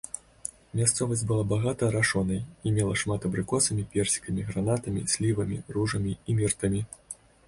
Мясцовасць была багата арашонай і мела шмат абрыкосамі, персікамі, гранатамі, слівамі, ружамі і міртамі.